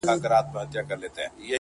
بوډا په ټولو کي پردی سړی لیدلای نه سو٫